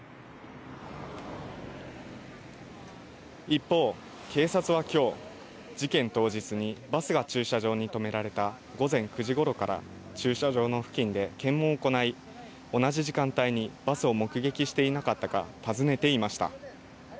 一方、警察は、きょう事件当日にバスが駐車場にとめられた午前９時ごろから駐車場の付近で検問を行い同じ時間帯にバスを目撃していなかったか尋ねていました。